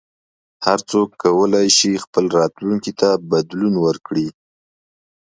هر څوک کولای شي خپل راتلونکي ته بدلون ورکړي.